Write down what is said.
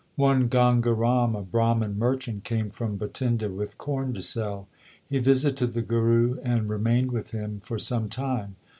One Ganga Ram, a Brahman merchant, came from Bhatinda with corn to sell. He visited the Guru and remained with him for some time.